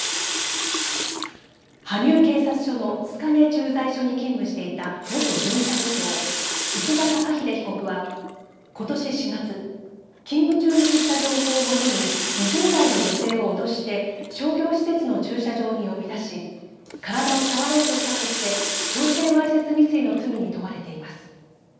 羽生警察署の須影駐在所に勤務していた元巡査部長、池田高秀被告はことし４月、勤務中に知った情報をもとに２０代の女性を脅して商業施設の駐車場に呼び出し体を触ろうとしたとして強制わいせつ未遂の罪に問われています。